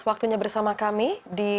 waktunya bersama kami di